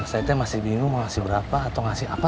saya masih bingung mau ngasih berapa atau ngasih apa